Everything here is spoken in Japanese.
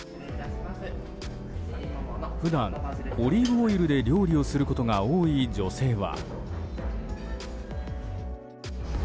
普段、オリーブオイルで料理をすることが多い女性は。